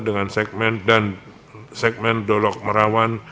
dengan segmen dolok merawan